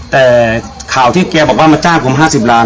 แต่ข่าวที่แกบอกว่ามาจ้างผม๕๐ล้าน